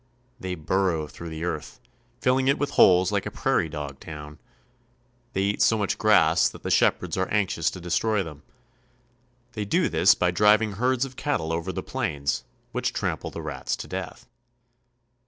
They burrow through the earth, filling it with holes like a prairie dog town. They eat so much grass that the shepherds are anxious to destroy them. They do this by driving herds of cattle over the plains, which trample the rats to death.